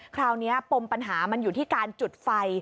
คราวนี้ปมปัญหามันอยู่ที่การจุดไฟ